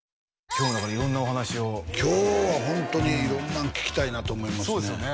今日もだから色んなお話を今日はホントに色んなん聞きたいなと思いますね